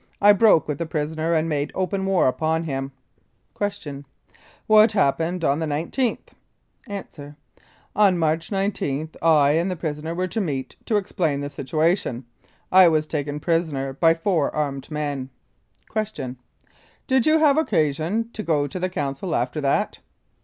I broke with the prisoner and made open war upon him. Q. What happened on the igth? A. On March 19 I and the prisoner were to meet to explain the situation, I was taken prisoner by four armed men. Q. Did you have occasion to go to the Council after that?